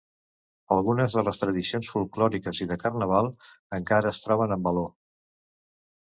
Algunes de les tradicions folklòriques i de carnaval encara es troben en való.